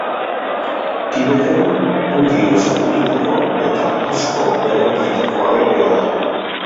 Tibeten ongi ezagututako eta asko erabilitako aberea da.